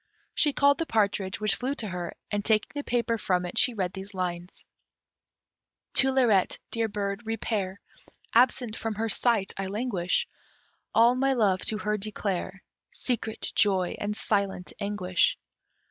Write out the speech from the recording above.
She called the partridge, which flew to her, and taking the paper from it, she read these lines: To Lirette, dear bird, repair Absent from her sight I languish, All my love to her declare Secret joy and silent anguish.